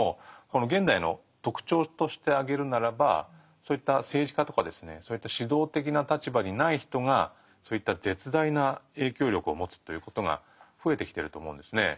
この現代の特徴として挙げるならばそういった政治家とかですねそういった指導的な立場にない人がそういった絶大な影響力をもつということが増えてきてると思うんですね。